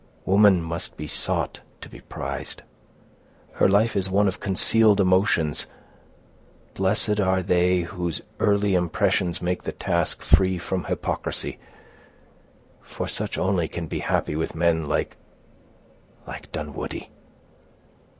Woman must be sought to be prized; her life is one of concealed emotions; blessed are they whose early impressions make the task free from hypocrisy, for such only can be happy with men like—like Dunwoodie."